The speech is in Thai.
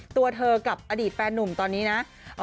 ตัวเธอกับอดีตแฟนนุ่มตอนนี้นะ